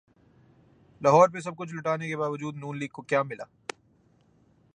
لاہور پہ سب کچھ لٹانے کے باوجود ن لیگ کو کیا ملا؟